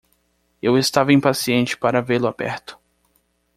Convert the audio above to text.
Eu estava impaciente para vê-lo aberto.